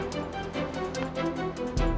tidak pakai jejak